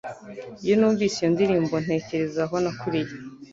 Iyo numvise iyo ndirimbo ntekereza aho nakuriye